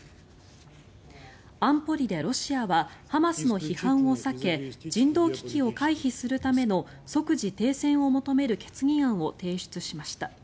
安保理でロシアはハマスの批判を避け人道危機を回避するための即時停戦を求める決議案を提出しました。